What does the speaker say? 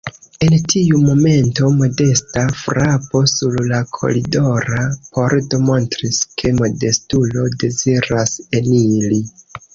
En tiu momento modesta frapo sur la koridora pordo montris, ke modestulo deziras eniri.